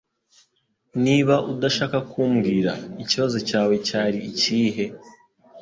Niba udashaka kumbwira, ikibazo cyawe cyari ikihe?